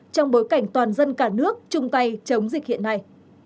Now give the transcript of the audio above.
trong bối cảnh toàn dân cả nước chung tay chống dịch hiện nay